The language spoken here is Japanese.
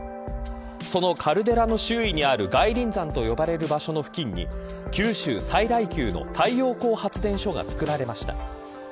そのカルデラの周囲にある外輪山と呼ばれる場所の付近に九州最大級の太陽光発電所が作られました。